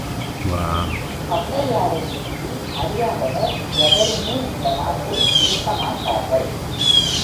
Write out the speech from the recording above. ஒளவையாரைப்பற்றி அறியாதவர் எவருமே இந்த நாட்டில் இருக்கமாட்டார்கள்.